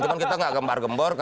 cuma kita tidak gempar gembur